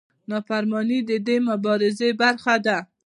نافرماني د دې مبارزې برخه ده.